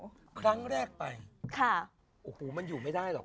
ครั้งแรกไปมันอยู่ไม่ได้หรอก